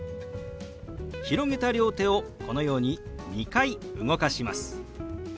広げた両手をこのように２回動かします。